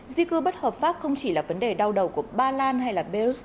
di cư bất hợp pháp không chỉ là vấn đề đau đầu của ba lan hay belarus